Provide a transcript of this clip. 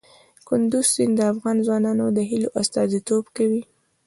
کندز سیند د افغان ځوانانو د هیلو استازیتوب کوي.